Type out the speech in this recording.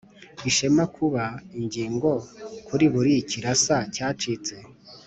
ishema kuba ingo kuri buri kirasa cyacitse,